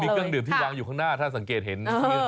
เครื่องดื่มที่วางอยู่ข้างหน้าถ้าสังเกตเห็น